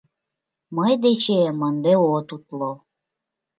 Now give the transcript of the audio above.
Мый дечем ынде от утло.